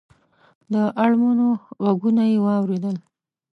د اړمنو غږونه یې واورېدل.